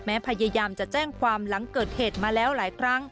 พยายามจะแจ้งความหลังเกิดเหตุมาแล้วหลายครั้ง